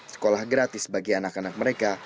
sekolah gratis bagi anak anak mereka